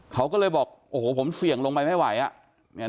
เขาก็เลยบอกโอ้โหผมเสี่ยงลงไปไม่ไหวอ่ะ